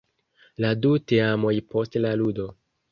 La du teamoj post la ludo.